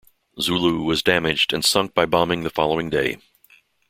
"Zulu" was damaged and sunk by bombing the following day.